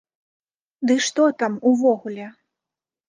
Дый што там, увогуле?